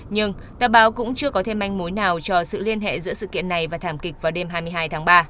nhưng tờ báo cũng chưa có thêm manh mối nào cho sự liên hệ giữa sự kiện này và thảm kịch vào đêm hai mươi hai tháng ba